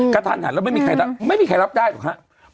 กระทันหันแล้วไม่มีใครรับได้หรอกครับ